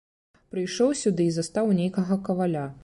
Прыйшоў сюды і застаў нейкага каваля.